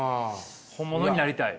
本物になりたい。